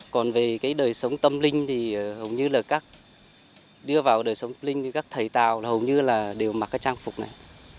còn về cái đời sống tâm linh thì hầu như là các đưa vào đời sống tâm linh như các thầy tạo là hầu như là đều mặc cái trang phục này